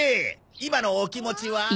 今のお気持ちは？